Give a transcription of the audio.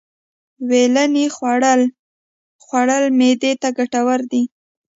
ویلنی خوړل خوړل معدې ته گټور دي.